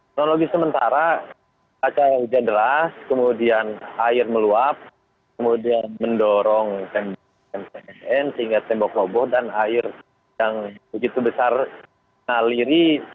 kronologi sementara kaca hujan deras kemudian air meluap kemudian mendorong tembok mcsn sehingga tembok roboh dan air yang begitu besar naliri